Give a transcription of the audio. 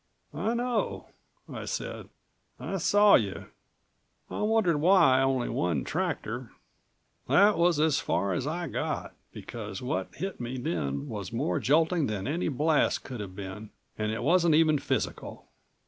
"I know," I said. "I saw you. I wondered why only one tractor " That was as far as I got, because what hit me then was more jolting than any blast could have been, and it wasn't even physical.